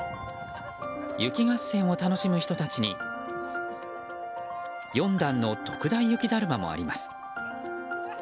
雪合戦を楽しむ人たちに４段の特大雪だるまもあります。